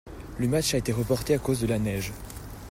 Le match a été reporté à cause de la neige.